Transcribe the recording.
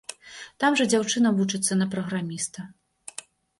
Там жа дзяўчына вучыцца на праграміста.